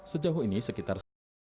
sejauh ini sekitar